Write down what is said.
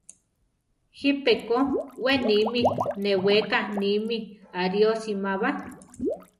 Jipe ko we nimí neweká nimí ariósima ba.